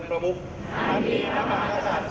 นายพรเพชรชนลชัยประธานสภานิติบัญญัติแห่งชาติ